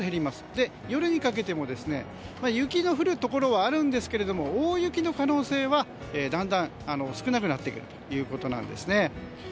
夜にかけても雪の降るところはあるんですが大雪の可能性はだんだん少なくなってくるということなんですね。